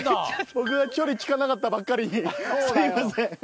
僕が距離聞かなかったばっかりにすいません。